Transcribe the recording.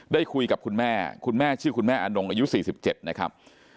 ได้คุยกับคุณแม่คุณแม่ชื่อคุณแม่อนงอายุ๔๗นะครับ